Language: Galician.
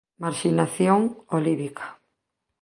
"Marxinación" olívica